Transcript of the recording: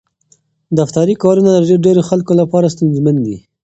دفتري کارونه د ډېرو خلکو لپاره ستونزمن دي.